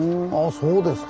そうですか。